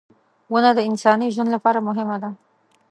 • ونه د انساني ژوند لپاره مهمه ده.